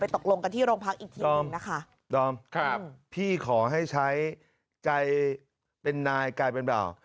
ตกลงกันที่โรงพักอีกทีหนึ่งนะคะดอมครับพี่ขอให้ใช้ใจเป็นนายกลายเป็นเบา